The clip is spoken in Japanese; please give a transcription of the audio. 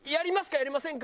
やりませんか？」